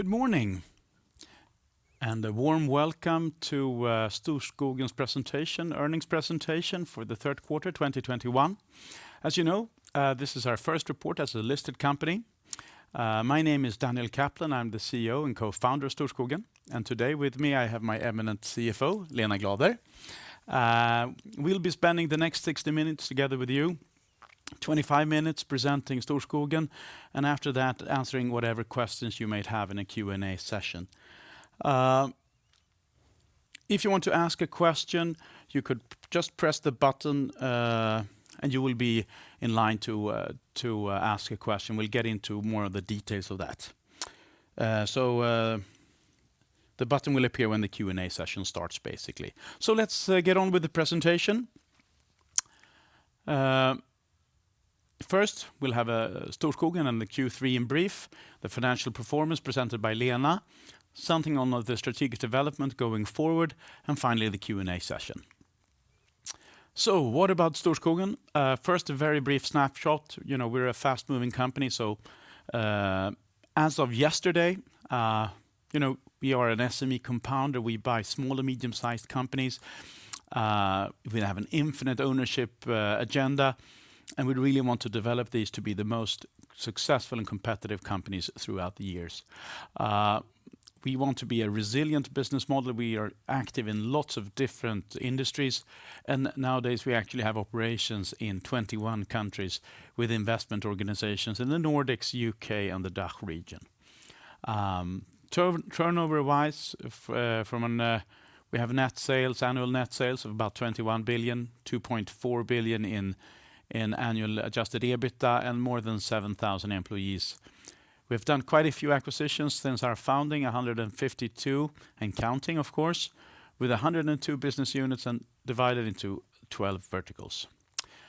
Good morning, and a warm welcome to Storskogen's presentation, earnings presentation for the Q3 2021. As you know, this is our first report as a listed company. My name is Daniel Kaplan, I'm the CEO and co-founder of Storskogen, and today with me, I have my eminent CFO, Lena Glader. We'll be spending the next 60 minutes together with you, 25 minutes presenting Storskogen, and after that, answering whatever questions you might have in a Q&A session. If you want to ask a question, you could just press the button, and you will be in line to ask a question. We'll get into more of the details of that. The button will appear when the Q&A session starts, basically. Let's get on with the presentation. First, we'll have Storskogen and the Q3 in brief, the financial performance presented by Lena, something on the strategic development going forward, and finally, the Q&A session. What about Storskogen? First, a very brief snapshot. You know, we're a fast-moving company. As of yesterday, you know, we are an SME compounder. We buy small and medium-sized companies. We have an infinite ownership agenda, and we really want to develop these to be the most successful and competitive companies throughout the years. We want to be a resilient business model. We are active in lots of different industries, and nowadays we actually have operations in 21 countries with investment organizations in the Nordics, U.K., and the DACH region. Turnover-wise, from an, we have net sales, annual net sales of about 21 billion, 2.4 billion in annual adjusted EBITDA, and more than 7,000 employees. We've done quite a few acquisitions since our founding, 152 and counting, of course, with 102 business units and divided into 12 verticals.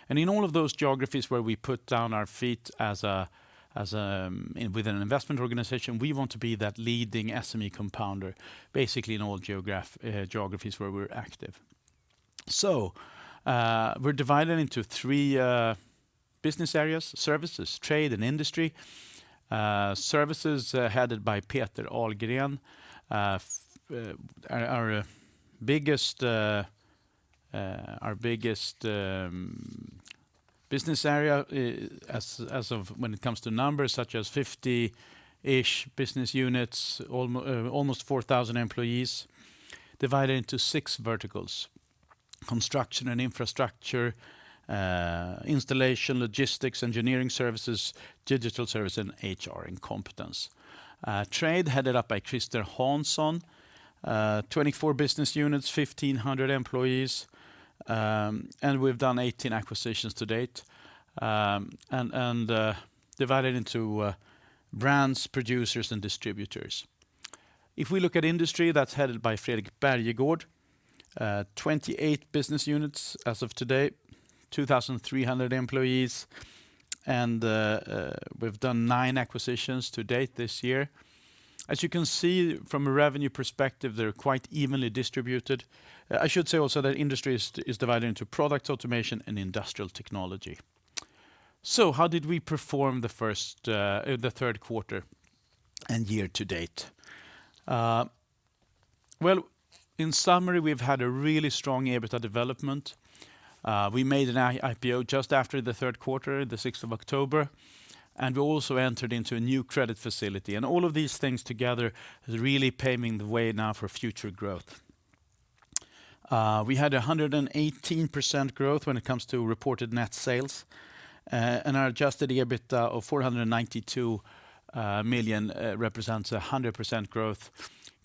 In all of those geographies where we put down our feet as an investment organization, we want to be that leading SME compounder, basically in all geographies where we're active. We're divided into three business areas: Services, Trade, and Industry. Services headed by Peter Ahlgren. Our biggest Business Area, as of when it comes to numbers, such as 50-ish business units, almost 4,000 employees, divided into six verticals; construction and infrastructure, installation, logistics, engineering services, digital service, and HR and competence. Business Area Trade, headed up by Krister Hansson, 24 business units, 1,500 employees, and we've done 18 acquisitions to date, and divided into brands, producers, and distributors. If we look at Business Area Industry, that's headed by Fredrik Bergegård, 28 business units as of today, 2,300 employees, and we've done nine acquisitions to date this year. As you can see from a revenue perspective, they're quite evenly distributed. I should say also that Business Area Industry is divided into product automation and industrial technology. How did we perform the first, the third quarter and year to date? Well, in summary, we've had a really strong EBITDA development. We made an IPO just after the third quarter, the October 6th, and we also entered into a new credit facility. All of these things together is really paving the way now for future growth. We had a 118% growth when it comes to reported net sales, and our adjusted EBITDA of 492 million represents a 100% growth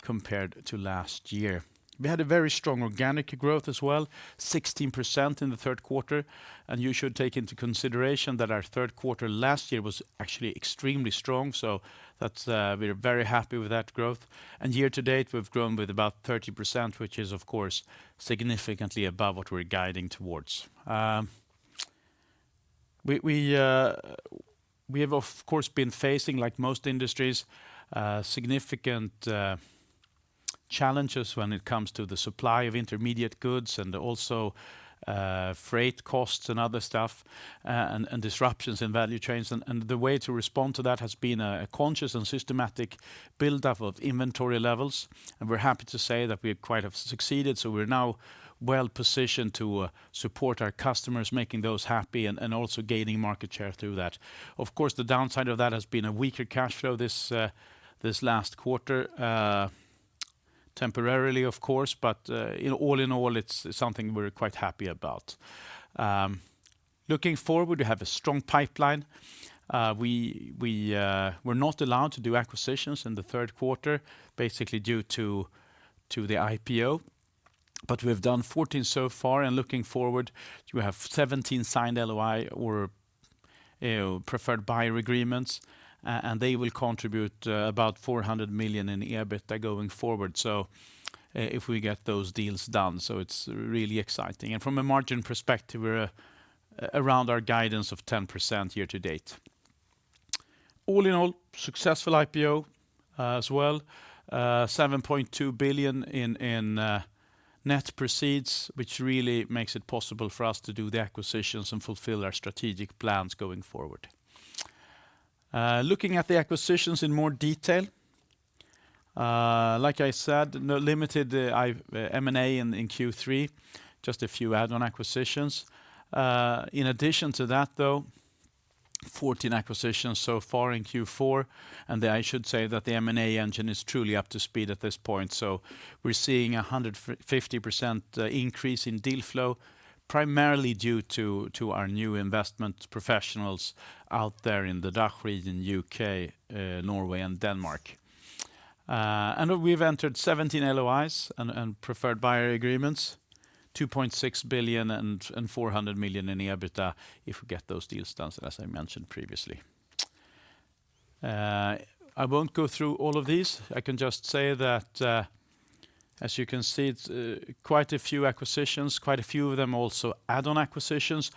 compared to last year. We had a very strong organic growth as well, 16% in the third quarter, and you should take into consideration that our third quarter last year was actually extremely strong, so that's, we're very happy with that growth. Year to date, we've grown with about 30%, which is, of course, significantly above what we're guiding towards. We have, of course, been facing, like most industries, significant challenges when it comes to the supply of intermediate goods and also freight costs and other stuff, and disruptions in value chains. The way to respond to that has been a conscious and systematic buildup of inventory levels, and we're happy to say that we quite have succeeded. We're now well-positioned to support our customers, making those happy and also gaining market share through that. Of course, the downside of that has been a weaker cash flow this last quarter, temporarily, of course, but all in all, it's something we're quite happy about. Looking forward, we have a strong pipeline. We're not allowed to do acquisitions in the third quarter, basically due to the IPO, but we've done 14 so far. Looking forward, we have 17 signed LOI or preferred buyer agreements, and they will contribute about 400 million in EBITDA going forward, if we get those deals done. It's really exciting. From a margin perspective, we're around our guidance of 10% year to date. All in all, successful IPO as well. 7.2 billion in net proceeds, which really makes it possible for us to do the acquisitions and fulfill our strategic plans going forward. Looking at the acquisitions in more detail, like I said, no limited M&A in Q3, just a few add-on acquisitions. In addition to that though, 14 acquisitions so far in Q4, and I should say that the M&A engine is truly up to speed at this point. We're seeing 150% increase in deal flow, primarily due to our new investment professionals out there in the DACH region, U.K., Norway and Denmark. We've entered 17 LOIs and preferred buyer agreements, 2.6 billion and 400 million in EBITDA if we get those deals done, as I mentioned previously. I won't go through all of these. I can just say that, as you can see, it's quite a few acquisitions, quite a few of them also add-on acquisitions.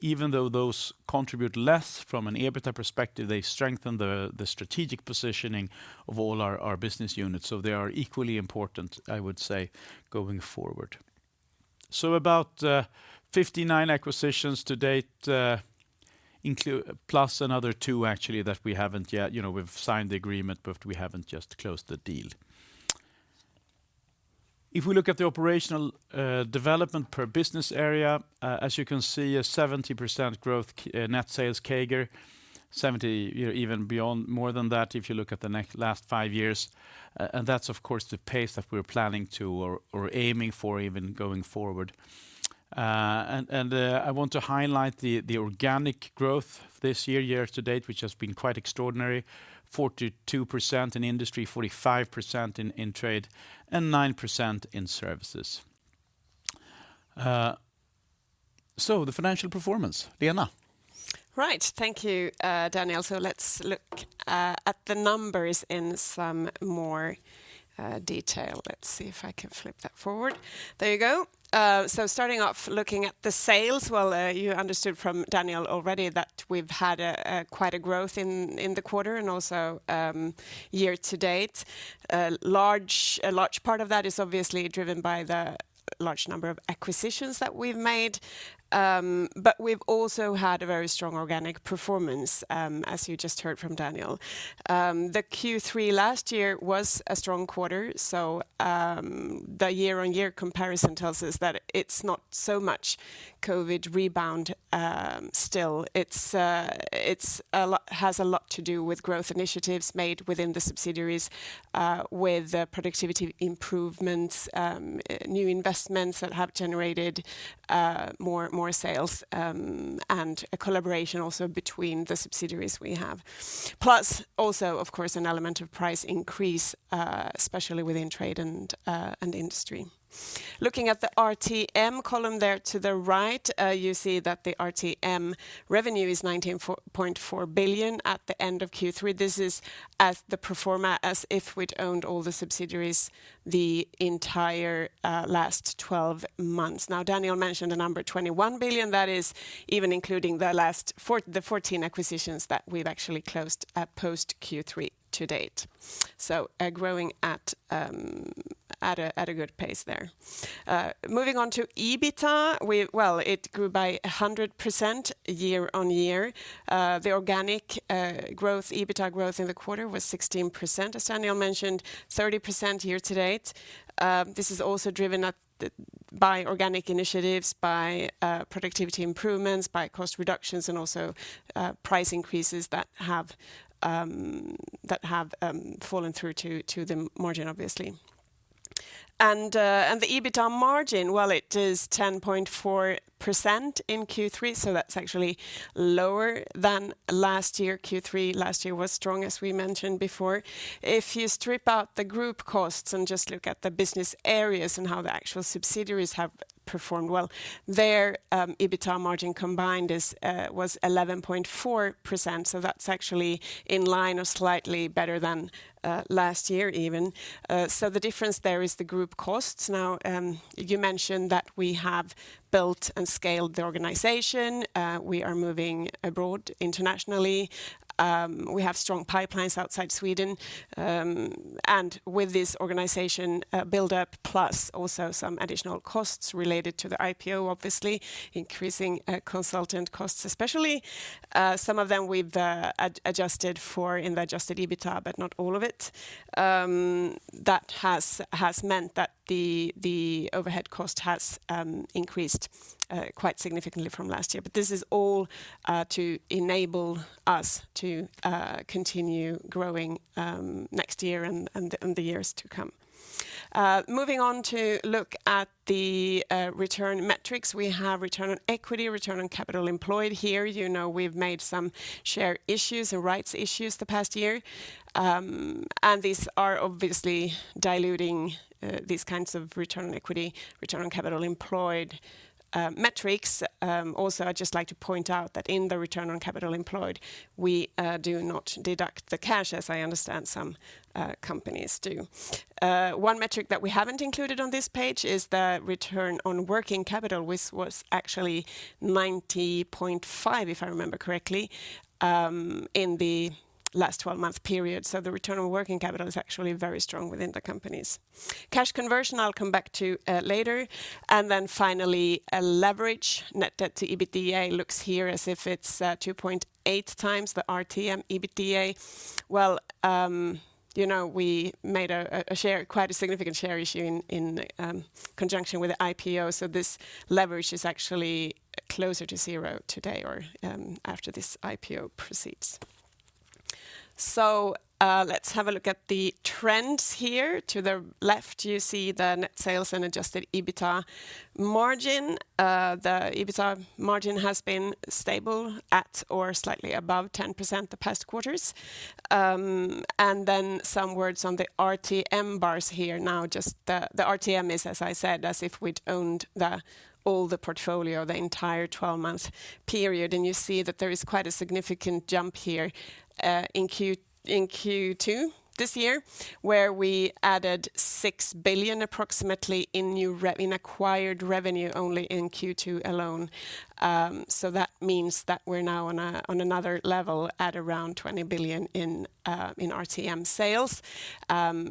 Even though those contribute less from an EBITDA perspective, they strengthen the strategic positioning of all our business units. They are equally important, I would say, going forward. About 59 acquisitions to date, plus another two actually that we haven't yet. You know, we've signed the agreement, but we haven't just closed the deal. If we look at the operational development per business area, as you can see, a 70% growth net sales CAGR, 70, you know, even beyond more than that if you look at the last five years. And that's of course the pace that we're planning to or aiming for even going forward. And I want to highlight the organic growth this year-to-date, which has been quite extraordinary, 42% in industry, 45% in trade, and 9% in services. The financial performance, Lena. Right. Thank you, Daniel. Let's look at the numbers in some more detail. Let's see if I can flip that forward. There you go. Starting off looking at the sales, well, you understood from Daniel already that we've had quite a growth in the quarter and also year-to-date. A large part of that is obviously driven by the large number of acquisitions that we've made, but we've also had a very strong organic performance, as you just heard from Daniel. The Q3 last year was a strong quarter, so the year-on-year comparison tells us that it's not so much COVID rebound, still. It has a lot to do with growth initiatives made within the subsidiaries, with productivity improvements, new investments that have generated more sales, and a collaboration also between the subsidiaries we have. Plus also, of course, an element of price increase, especially within trade and industry. Looking at the RTM column there to the right, you see that the RTM revenue is 19.4 billion at the end of Q3. This is as pro forma, as if we'd owned all the subsidiaries the entire last twelve months. Now, Daniel mentioned the number 21 billion. That is even including the fourteen acquisitions that we've actually closed post Q3 to date. So we're growing at a good pace there. Moving on to EBITDA, we... Well, it grew by 100% year-on-year. The organic growth, EBITDA growth in the quarter was 16%, as Daniel mentioned, 30% year-to-date. This is also driven by organic initiatives, by productivity improvements, by cost reductions, and also price increases that have fallen through to the margin, obviously. The EBITDA margin, well, it is 10.4% in Q3, so that's actually lower than last year. Q3 last year was strong, as we mentioned before. If you strip out the group costs and just look at the business areas and how the actual subsidiaries have performed, well, their EBITDA margin combined was 11.4%, so that's actually in line or slightly better than last year even. The difference there is the group costs. Now, you mentioned that we have built and scaled the organization. We are moving abroad internationally. We have strong pipelines outside Sweden. With this organization build-up, plus also some additional costs related to the IPO, obviously, increasing consultant costs especially, some of them we've adjusted for in the adjusted EBITDA, but not all of it, that has meant that the overhead cost has increased quite significantly from last year. This is all to enable us to continue growing next year and the years to come. Moving on to look at the return metrics. We have return on equity, return on capital employed here. You know, we've made some share issues or rights issues the past year. These are obviously diluting these kinds of return on equity, return on capital employed metrics. Also, I'd just like to point out that in the return on capital employed, we do not deduct the cash as I understand some companies do. One metric that we haven't included on this page is the return on working capital, which was actually 90.5, if I remember correctly, in the last 12-month period. The return on working capital is actually very strong within the companies. Cash conversion, I'll come back to later. Finally, a leverage net debt to EBITDA looks here as if it's 2.8 times the RTM EBITDA. Well, you know, we made quite a significant share issue in conjunction with the IPO, so this leverage is actually closer to zero today or after this IPO proceeds. Let's have a look at the trends here. To the left, you see the net sales and adjusted EBITA margin. The EBITA margin has been stable at or slightly above 10% the past quarters. Then some words on the RTM bars here now. Just the RTM is, as I said, as if we'd owned all the portfolio the entire 12-month period. You see that there is quite a significant jump here in Q2 this year, where we added approximately 6 billion in acquired revenue only in Q2 alone. That means that we're now on another level at around 20 billion in RTM sales. Until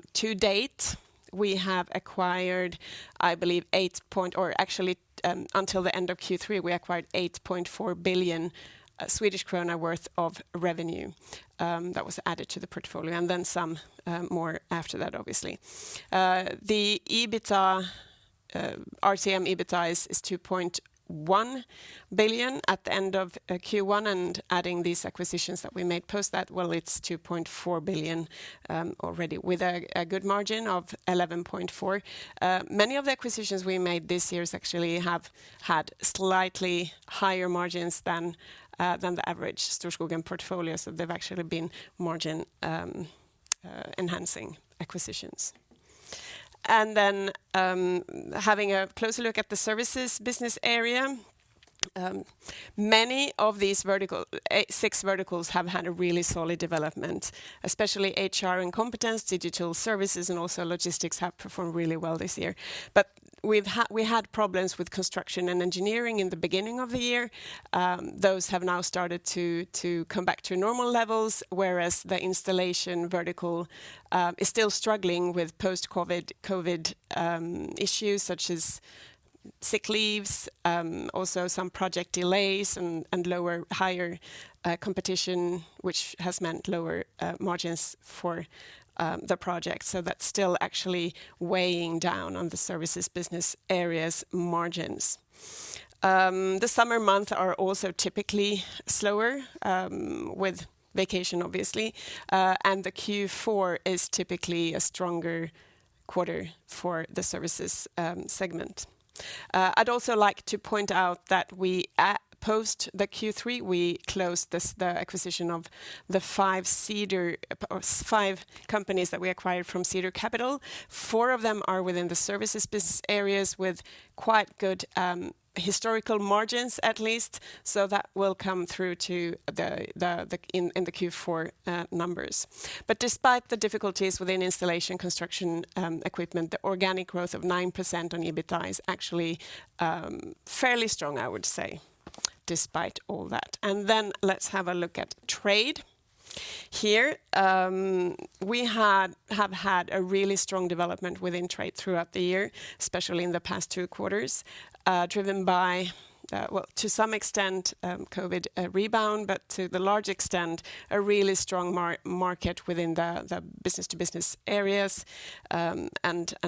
the end of Q3, we acquired 8.4 billion Swedish krona worth of revenue that was added to the portfolio, and then some more after that, obviously. The RTM EBITA is 2.1 billion at the end of Q1, and adding these acquisitions that we made post that, well, it's 2.4 billion already with a good margin of 11.4%. Many of the acquisitions we made this year actually have had slightly higher margins than the average Storskogen portfolio, so they've actually been margin enhancing acquisitions. Having a closer look at the Services business area, many of these six verticals have had a really solid development, especially HR and competence, digital services, and also logistics have performed really well this year. We had problems with construction and engineering in the beginning of the year. Those have now started to come back to normal levels, whereas the installation vertical is still struggling with post-COVID issues such as sick leaves, also some project delays and higher competition, which has meant lower margins for the project. That's still actually weighing down on the Services business area's margins. The summer months are also typically slower with vacation, obviously. The Q4 is typically a stronger quarter for the Services segment. I'd also like to point out that, post the Q3, we closed the acquisition of the five companies that we acquired from Ceder Capital. Four of them are within the services business areas with quite good historical margins, at least. That will come through in the Q4 numbers. Despite the difficulties within installation, construction, equipment, the organic growth of 9% on EBITA is actually fairly strong, I would say, despite all that. Let's have a look at trade here. We have had a really strong development within trade throughout the year, especially in the past two quarters, driven by, well, to some extent, COVID rebound, but to a large extent, a really strong market within the business to business areas, and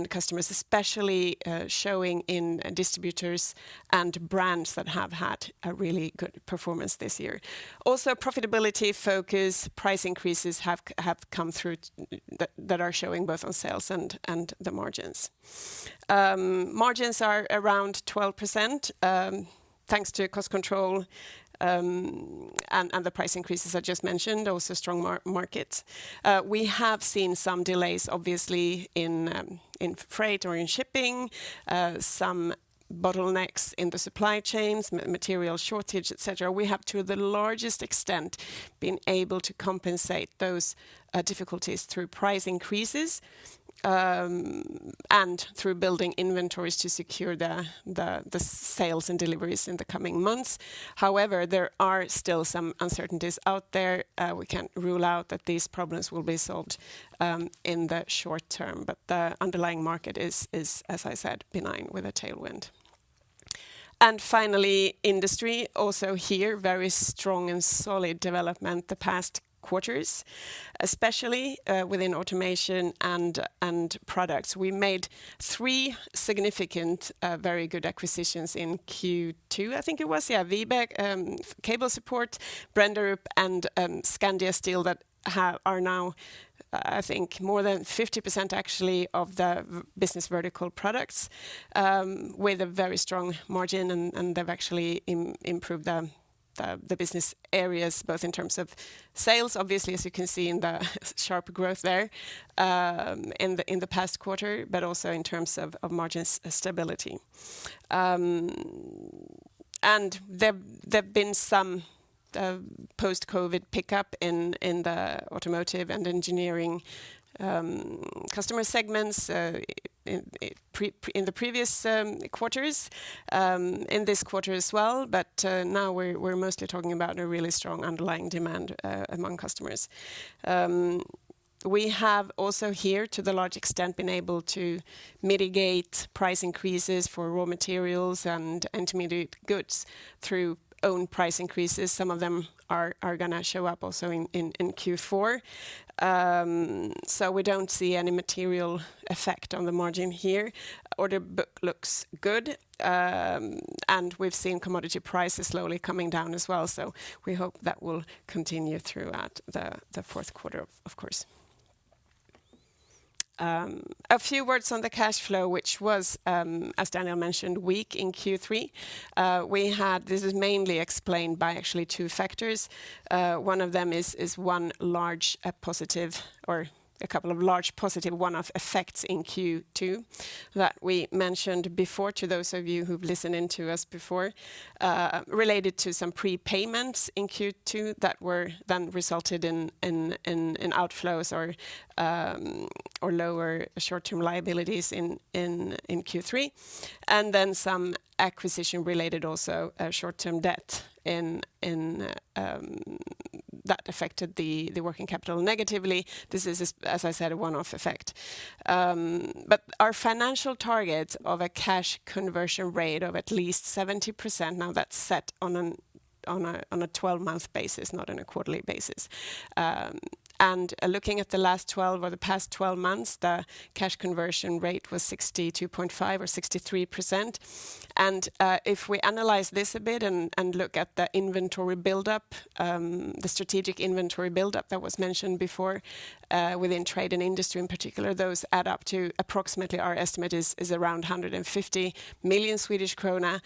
customers, especially showing in distributors and brands that have had a really good performance this year. Also, profitability focus, price increases have come through that are showing both on sales and the margins. Margins are around 12%, thanks to cost control and the price increases I just mentioned, also strong markets. We have seen some delays, obviously, in freight or in shipping, some bottlenecks in the supply chains, material shortage, et cetera. We have to the largest extent been able to compensate those difficulties through price increases, and through building inventories to secure the sales and deliveries in the coming months. However, there are still some uncertainties out there. We can't rule out that these problems will be solved in the short term, but the underlying market is, as I said, benign with a tailwind. Finally, industry, also here, very strong and solid development the past quarters, especially, within automation and products. We made three significant, very good acquisitions in Q2, I think it was. Yeah. Wibe, Cable Support, Brenderup, and Scandia Steel that are now, I think, more than 50% actually of the B2B business vertical products, with a very strong margin, and they've actually improved the business areas, both in terms of sales, obviously, as you can see in the sharp growth there, in the past quarter, but also in terms of margin stability. There've been some post-COVID pickup in the automotive and engineering customer segments in the previous quarters, in this quarter as well. Now we're mostly talking about a really strong underlying demand among customers. We have also here, to a large extent, been able to mitigate price increases for raw materials and intermediate goods through own price increases. Some of them are gonna show up also in Q4. We don't see any material effect on the margin here. Order book looks good, and we've seen commodity prices slowly coming down as well, so we hope that will continue throughout the fourth quarter, of course. A few words on the cash flow, which was, as Daniel mentioned, weak in Q3. This is mainly explained by actually two factors. One of them is one large positive or a couple of large positive one-off effects in Q2 that we mentioned before, to those of you who've listened in to us before, related to some prepayments in Q2 that were then resulted in outflows or lower short-term liabilities in Q3. Then some acquisition related also, short-term debt in that affected the working capital negatively. This is, as I said, a one-off effect. But our financial targets of a cash conversion rate of at least 70%, now that's set on a 12-month basis, not on a quarterly basis. Looking at the last 12 or the past 12 months, the cash conversion rate was 62.5% or 63%. If we analyze this a bit and look at the inventory buildup, the strategic inventory buildup that was mentioned before, within Trade and Industry, in particular, those add up to approximately. Our estimate is around 150 million Swedish krona.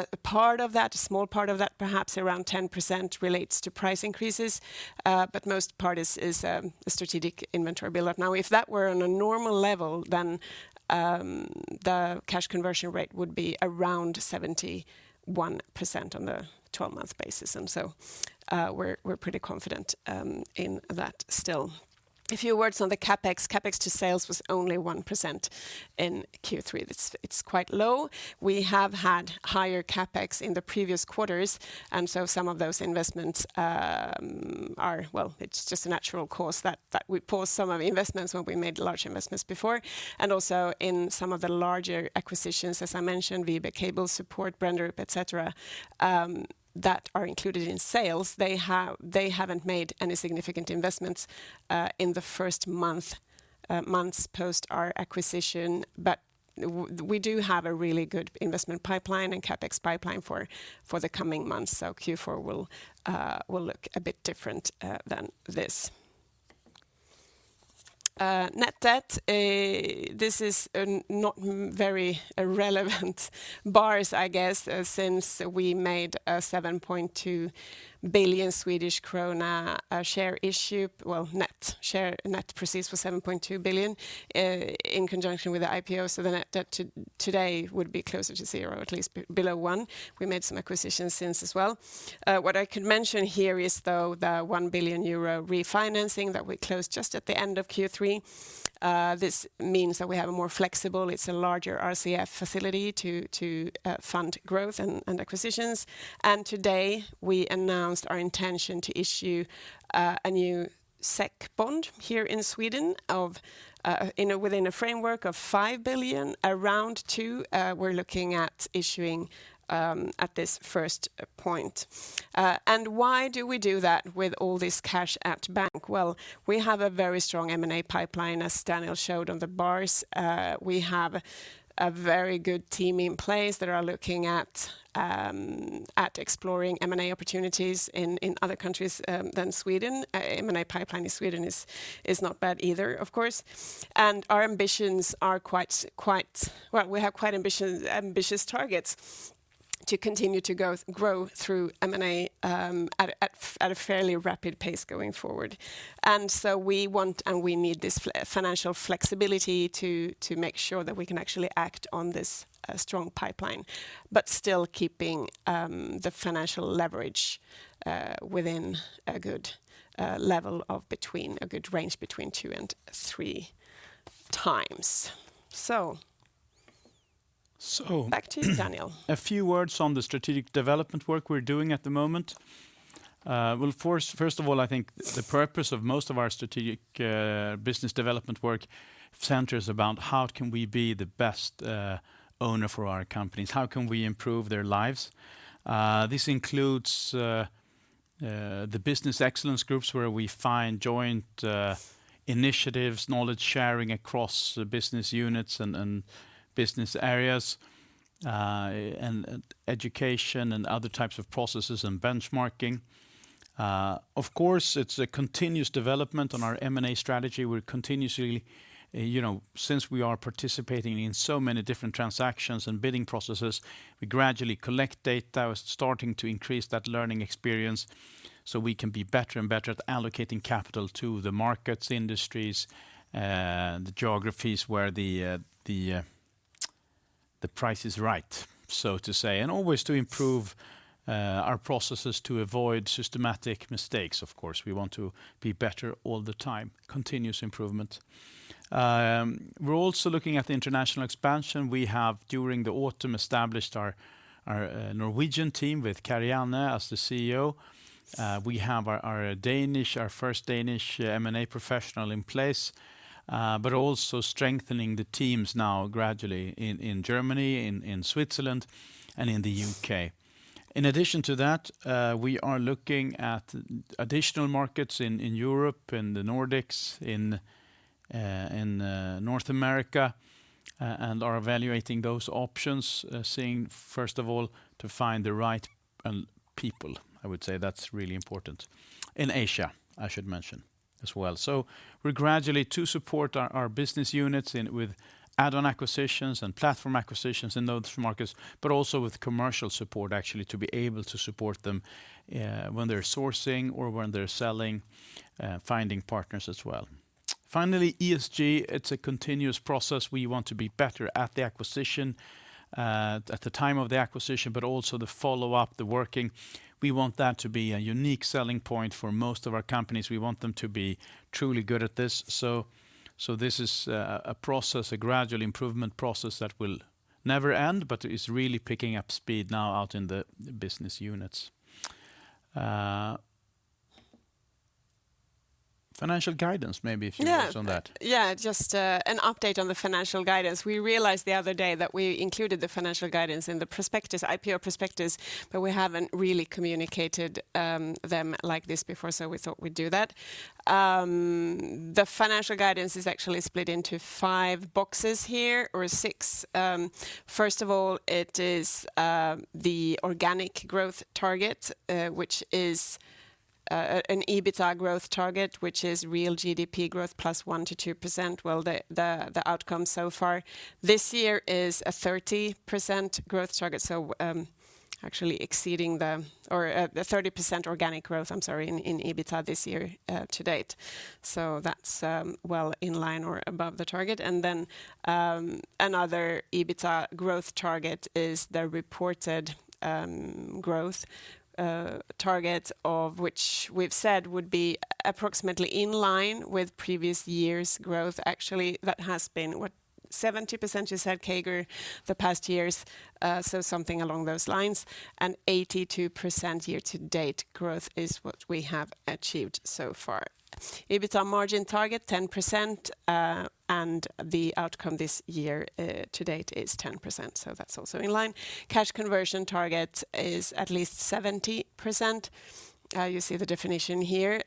A part of that, a small part of that, perhaps around 10%, relates to price increases, but most part is a strategic inventory buildup. Now, if that were on a normal level, the cash conversion rate would be around 71% on the 12-month basis. We're pretty confident in that still. A few words on the CapEx. CapEx to sales was only 1% in Q3. It's quite low. We have had higher CapEx in the previous quarters, and so some of those investments are. Well, it's just a natural course that we pause some of the investments when we made large investments before. Also in some of the larger acquisitions, as I mentioned, Wibe Cable Support, Brenderup, et cetera, that are included in sales, they haven't made any significant investments in the first months post our acquisition. We do have a really good investment pipeline and CapEx pipeline for the coming months, so Q4 will look a bit different than this. Net debt, this is not very relevant now, I guess, since we made a 7.2 billion Swedish krona share issue. Well, net proceeds was 7.2 billion in conjunction with the IPO, so the net debt today would be closer to zero, at least below one. We made some acquisitions since as well. What I can mention here is, though, the 1 billion euro refinancing that we closed just at the end of Q3. This means that we have a more flexible, it's a larger RCF facility to fund growth and acquisitions. Today, we announced our intention to issue a new SEK bond here in Sweden within a framework of 5 billion, around 2, we're looking at issuing at this first point. Why do we do that with all this cash at bank? Well, we have a very strong M&A pipeline, as Daniel showed on the bars. We have a very good team in place that are looking at exploring M&A opportunities in other countries than Sweden. M&A pipeline in Sweden is not bad either, of course. Our ambitions are quite. Well, we have quite ambitious targets to continue to grow through M&A at a fairly rapid pace going forward. We want and we need this financial flexibility to make sure that we can actually act on this strong pipeline, but still keeping the financial leverage within a good range between two and three times. So Back to you, Daniel. A few words on the strategic development work we're doing at the moment. Well, first of all, I think the purpose of most of our strategic business development work centers around how can we be the best owner for our companies? How can we improve their lives? This includes the business excellence groups, where we find joint initiatives, knowledge sharing across the business units and business areas, and education and other types of processes and benchmarking. Of course, it's a continuous development on our M&A strategy. We're continuously you know, since we are participating in so many different transactions and bidding processes, we gradually collect data. Starting to increase that learning experience, so we can be better and better at allocating capital to the markets, industries, the geographies where the price is right, so to say. Always to improve our processes to avoid systematic mistakes, of course. We want to be better all the time, continuous improvement. We're also looking at the international expansion. We have, during the autumn, established our Norwegian team with Karianne as the CEO. We have our first Danish M&A professional in place, but also strengthening the teams now gradually in Germany, in Switzerland, and in the U.K. In addition to that, we are looking at additional markets in Europe, in the Nordics, in North America, and are evaluating those options. Seeking, first of all, to find the right people, I would say. That's really important. In Asia, I should mention as well. We gradually to support our business units in with add-on acquisitions and platform acquisitions in those markets, but also with commercial support actually to be able to support them when they're sourcing or when they're selling, finding partners as well. Finally, ESG, it's a continuous process. We want to be better at the acquisition at the time of the acquisition, but also the follow-up, the working. We want that to be a unique selling point for most of our companies. We want them to be truly good at this. This is a process, a gradual improvement process that will never end, but it's really picking up speed now out in the business units. Financial guidance, maybe a few words on that. Yeah. Yeah. Just an update on the financial guidance. We realized the other day that we included the financial guidance in the prospectus, IPO prospectus, but we haven't really communicated them like this before, so we thought we'd do that. The financial guidance is actually split into five boxes here, or six. First of all, it is the organic growth target, which is an EBITDA growth target, which is real GDP growth plus 1%-2%, while the outcome so far this year is a 30% growth target. Actually exceeding or the 30% organic growth, I'm sorry, in EBITDA this year to date. That's well in line or above the target. Then, another EBITDA growth target is the reported growth target of which we've said would be approximately in line with previous years' growth. Actually, that has been, what, 70%, you said, CAGR the past years, so something along those lines. 82% year-to-date growth is what we have achieved so far. EBITDA margin target, 10%, and the outcome this year to date is 10%, so that's also in line. Cash conversion target is at least 70%. You see the definition here.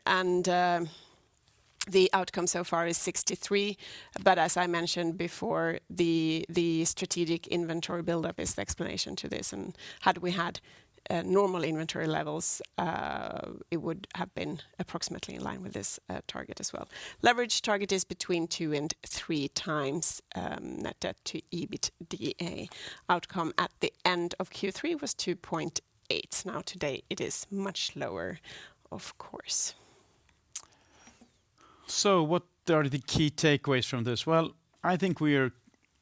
The outcome so far is 63%. But as I mentioned before, the strategic inventory buildup is the explanation to this. Had we had normal inventory levels, it would have been approximately in line with this target as well. Leverage target is between two and three times net debt to EBITDA. Outcome at the end of Q3 was 2.8. Now today it is much lower, of course. What are the key takeaways from this? Well, I think.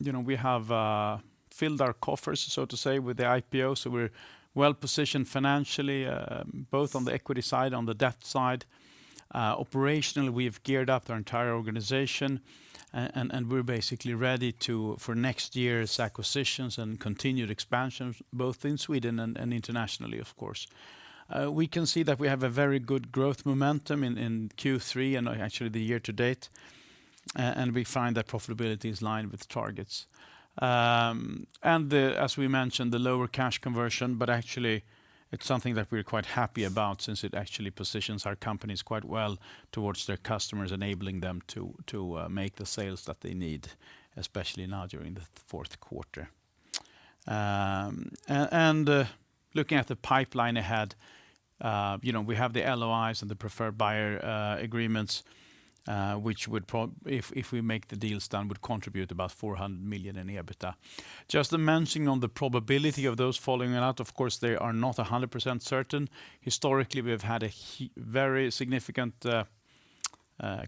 You know, we have filled our coffers, so to say, with the IPO, so we're well positioned financially, both on the equity side, on the debt side. Operationally, we've geared up our entire organization and we're basically ready for next year's acquisitions and continued expansion both in Sweden and internationally, of course. We can see that we have a very good growth momentum in Q3 and actually the year to date, and we find that profitability is in line with targets. As we mentioned, the lower cash conversion, but actually it's something that we're quite happy about since it actually positions our companies quite well towards their customers, enabling them to make the sales that they need, especially now during the fourth quarter. Looking at the pipeline ahead, you know, we have the LOIs and the preferred buyer agreements, which would, if we make the deals done, would contribute about 400 million in EBITDA. Just a mention on the probability of those falling out, of course, they are not 100% certain. Historically, we have had a very significant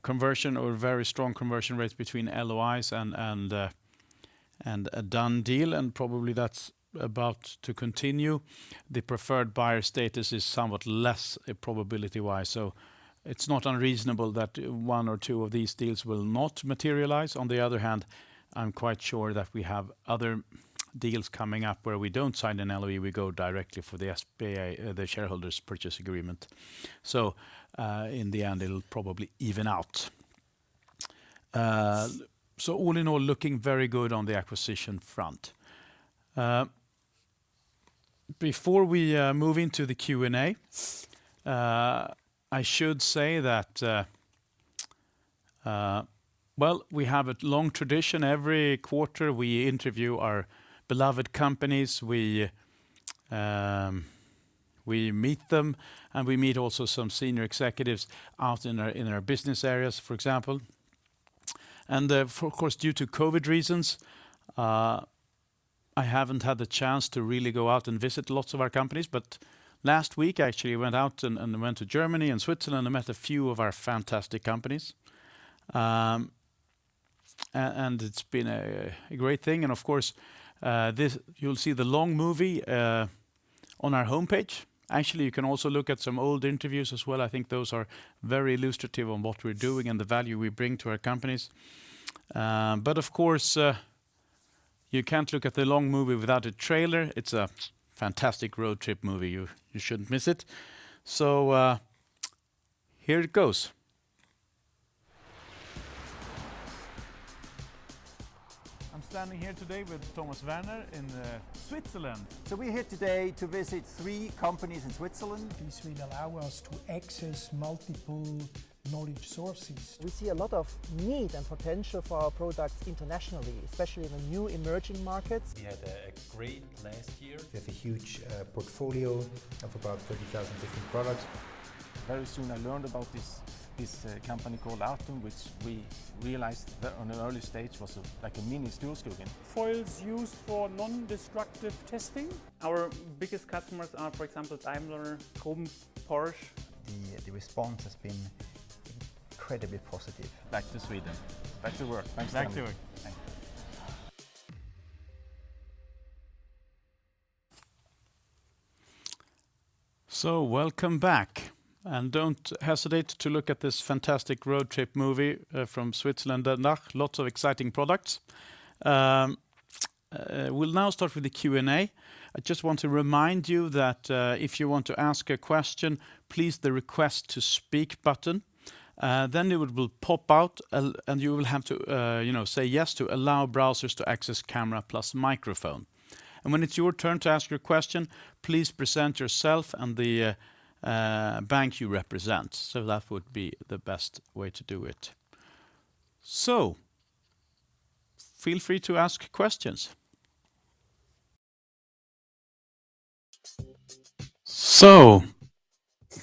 conversion or very strong conversion rates between LOIs and a done deal, and probably that's about to continue. The preferred buyer status is somewhat less probability-wise, so it's not unreasonable that one or two of these deals will not materialize. On the other hand, I'm quite sure that we have other deals coming up where we don't sign an LOI, we go directly for the SPA, the share purchase agreement. In the end, it'll probably even out. All in all, looking very good on the acquisition front. Before we move into the Q&A, I should say that, well, we have a long tradition. Every quarter we interview our beloved companies. We meet them, and we meet also some senior executives out in our business areas, for example. Of course, due to COVID reasons, I haven't had the chance to really go out and visit lots of our companies. Last week I actually went out and went to Germany and Switzerland and met a few of our fantastic companies. It's been a great thing. Of course, you'll see the long movie on our homepage. Actually, you can also look at some old interviews as well. I think those are very illustrative on what we're doing and the value we bring to our companies. But of course, you can't look at the long movie without a trailer. It's a fantastic road trip movie. You shouldn't miss it. Here it goes. I'm standing here today with Thomas Werner in Switzerland. We're here today to visit three companies in Switzerland. This will allow us to access multiple knowledge sources. We see a lot of need and potential for our products internationally, especially in the new emerging markets. We had a great last year. We have a huge portfolio of about 30,000 different products. Very soon I learned about this company called Artum, which we realized that on an early stage was a, like a mini Storskogen. Foils used for nondestructive testing. Our biggest customers are, for example, Daimler, Kuhn, Porsche. The response has been incredibly positive. Back to Sweden. Back to work. Thanks so much. Back to work. Thank you. Welcome back, and don't hesitate to look at this fantastic road trip movie from Switzerland and DACH. Lots of exciting products. We'll now start with the Q&A. I just want to remind you that if you want to ask a question, please press the Request to speak button, then it will pop out and you will have to you know say yes to allow browsers to access camera plus microphone. When it's your turn to ask your question, please present yourself and the bank you represent. That would be the best way to do it. Feel free to ask questions.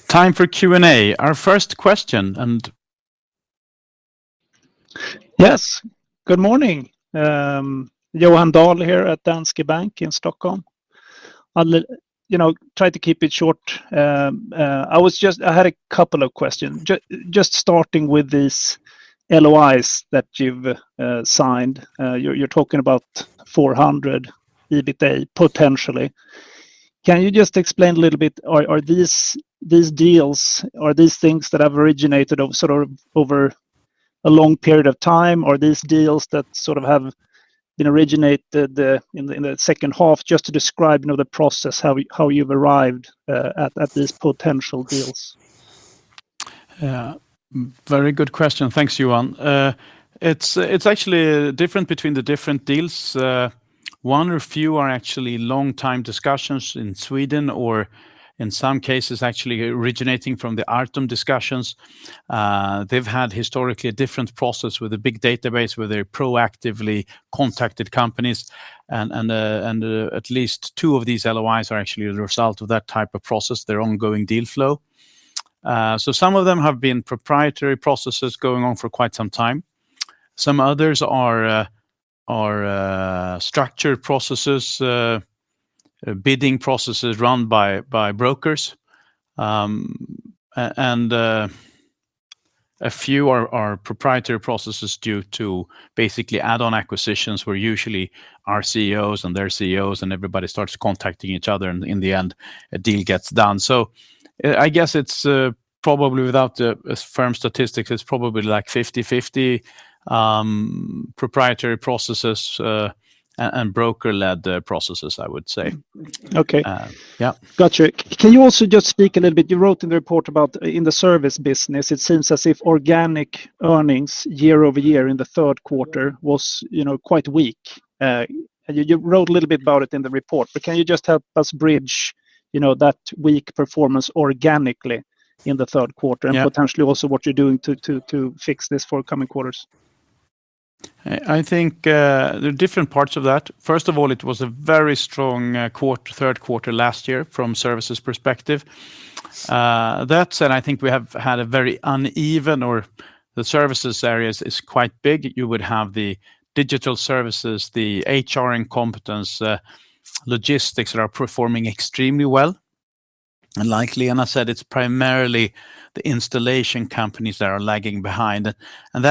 Time for Q&A. Our first question and Yes. Good morning. Johan Dahl here at Danske Bank in Stockholm. I'll you know, try to keep it short. I had a couple of questions. Just starting with these LOIs that you've signed. You're talking about 400 EBITA potentially. Can you just explain a little bit? Are these deals, are these things that have originated sort of over a long period of time, or are these deals that sort of have been originated in the second half? Just to describe, you know, the process, how you've arrived at these potential deals. Yeah. Very good question. Thanks, Johan. It's actually different between the different deals. One or a few are actually long-time discussions in Sweden or in some cases actually originating from the Artum discussions. They've had historically a different process with a big database where they proactively contacted companies and at least two of these LOIs are actually a result of that type of process, their ongoing deal flow. So some of them have been proprietary processes going on for quite some time. Some others are structured processes, bidding processes run by brokers. A few are proprietary processes due to basically add-on acquisitions where usually our CEOs and their CEOs and everybody starts contacting each other and in the end a deal gets done. I guess it's probably without a firm statistic, it's probably like 50/50 proprietary processes and broker-led processes, I would say. Okay. Yeah. Got you. Can you also just speak a little bit? You wrote in the report about in the service business. It seems as if organic earnings year-over-year in the third quarter was, you know, quite weak. You wrote a little bit about it in the report, but can you just help us bridge, you know, that weak performance organically in the third quarter- Yeah... potentially also what you're doing to fix this for coming quarters? I think there are different parts of that. First of all, it was a very strong quarter, third quarter last year from Services perspective. That said, I think we have had a very uneven, or the Services area is quite big. You would have the digital services, the HR consulting, logistics that are performing extremely well. Like Lena said, it's primarily the installation companies that are lagging behind, and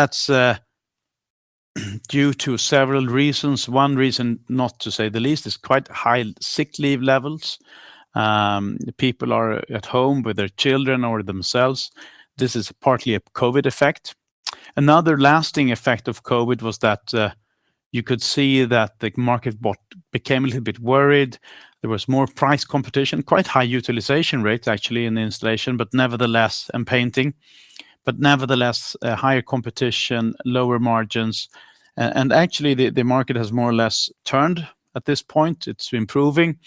that's due to several reasons. One reason, not to say the least, is quite high sick leave levels. People are at home with their children or themselves. This is partly a COVID effect. Another lasting effect of COVID was that you could see that the market but became a little bit worried. There was more price competition, quite high utilization rates actually in the installation, but nevertheless and painting. Nevertheless, higher competition, lower margins. Actually the market has more or less turned at this point. It's improving,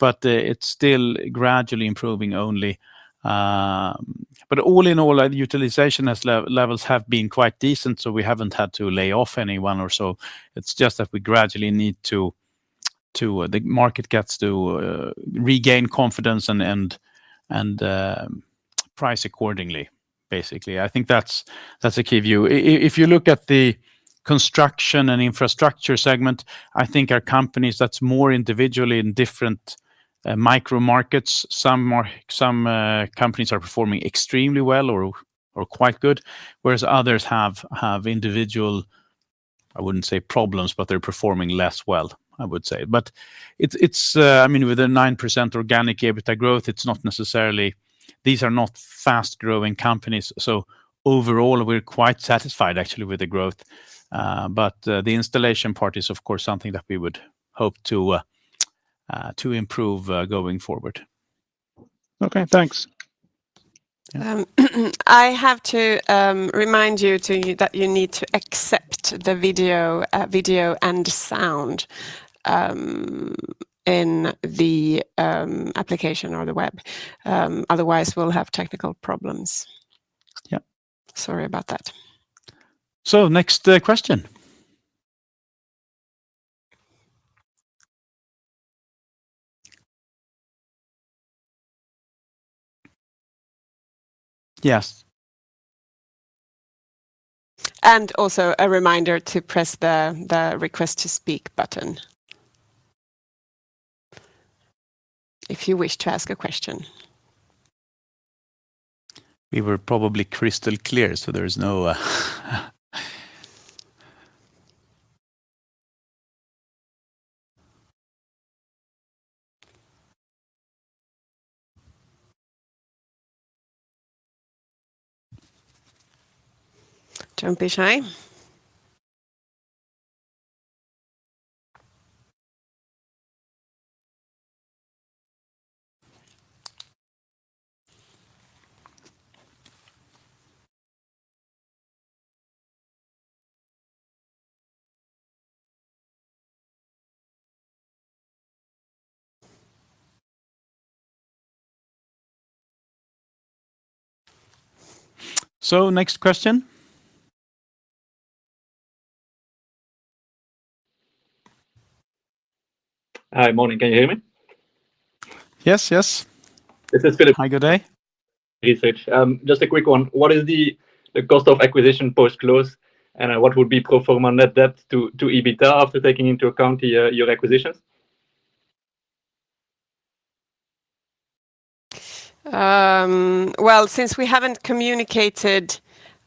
but it's still gradually improving only. All in all, the utilization levels have been quite decent, so we haven't had to lay off anyone or so. It's just that we gradually need the market to regain confidence and price accordingly, basically. I think that's a key view. If you look at the construction and infrastructure segment, I think our companies that's more individually in different micro markets, some companies are performing extremely well or quite good, whereas others have individual, I wouldn't say problems, but they're performing less well, I would say. It's, I mean, with a 9% organic EBITDA growth, it's not necessarily. These are not fast-growing companies. Overall, we're quite satisfied actually with the growth. The installation part is, of course, something that we would hope to improve going forward. Okay, thanks. Um, I have to, um, remind you to-- that you need to accept the video, uh, video and sound, um, in the, um, application or the web. Um, otherwise we'll have technical problems. Yep. Sorry about that. Next question. Yes. Also a reminder to press the Request to Speak button if you wish to ask a question. We were probably crystal clear, so there is no. Don't be shy. Next question. Hi. Morning. Can you hear me? Yes, yes. This is Philip. Hi, good day. Research. Just a quick one. What is the cost of acquisition post-close, and what would be pro forma net debt to EBITDA after taking into account your acquisitions? Well, since we haven't communicated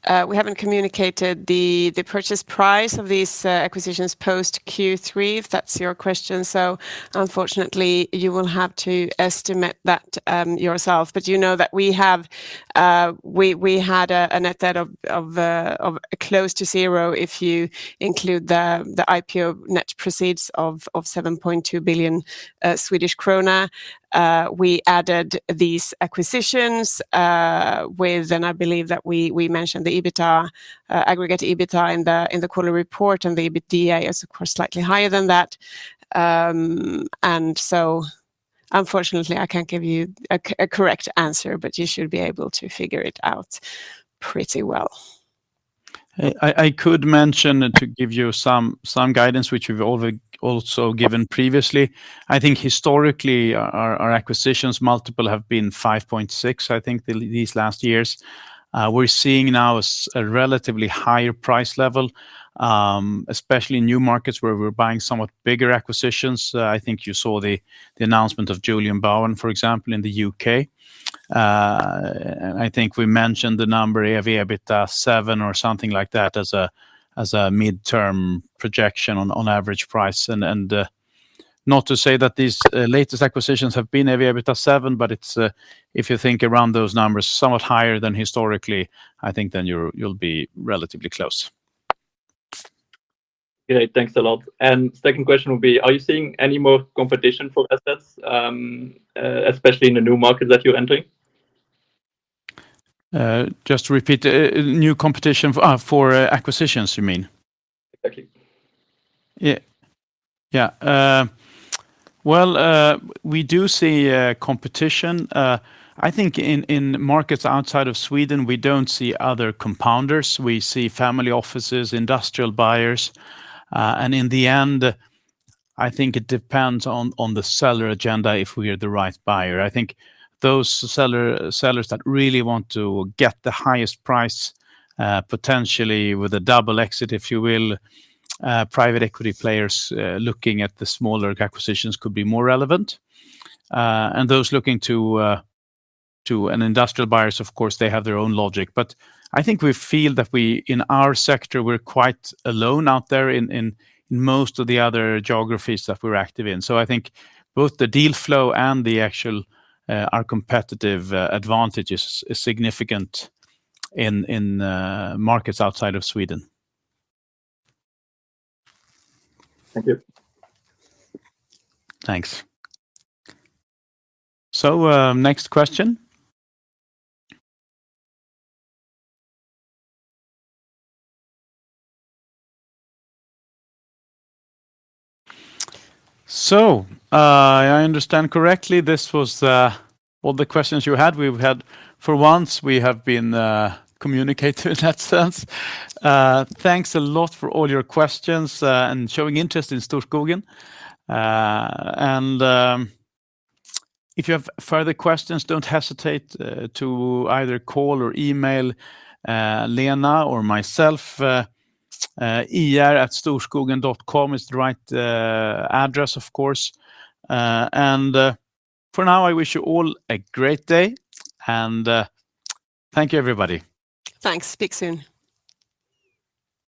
the purchase price of these acquisitions post Q3, if that's your question. Unfortunately, you will have to estimate that yourself. You know that we had a net debt of close to zero, if you include the IPO net proceeds of 7.2 billion Swedish krona. I believe that we mentioned the aggregate EBITDA in the quarterly report, and the EBITDA is, of course, slightly higher than that. Unfortunately, I can't give you a correct answer, but you should be able to figure it out pretty well. I could mention to give you some guidance, which we've also given previously. I think historically our acquisitions multiple have been 5.6, I think, these last years. We're seeing now a relatively higher price level, especially in new markets where we're buying somewhat bigger acquisitions. I think you saw the announcement of Julian Bowen, for example, in the U.K. I think we mentioned the number EV/EBITDA 7 or something like that as a midterm projection on average price. Not to say that these latest acquisitions have been EV/EBITDA 7, but it's if you think around those numbers somewhat higher than historically, I think then you'll be relatively close. Great. Thanks a lot. Second question will be, are you seeing any more competition for assets, especially in the new markets that you're entering? Just to repeat, new competition for acquisitions, you mean? Exactly. Well, we do see competition. I think in markets outside of Sweden, we don't see other compounders. We see family offices, industrial buyers. In the end, I think it depends on the seller agenda, if we are the right buyer. I think those sellers that really want to get the highest price, potentially with a double exit, if you will, private equity players looking at the smaller acquisitions could be more relevant. Those looking to industrial buyers, of course, they have their own logic. I think we feel that we, in our sector, we're quite alone out there in most of the other geographies that we're active in. I think both the deal flow and the actual our competitive advantage is significant in markets outside of Sweden. Thank you. Thanks. Next question. If I understand correctly, this was all the questions you had. For once, we have been communicative in that sense. Thanks a lot for all your questions and showing interest in Storskogen. If you have further questions, don't hesitate to either call or email Lena or myself. ir@storskogen.com is the right address, of course. For now, I wish you all a great day, and thank you, everybody. Thanks. Speak soon.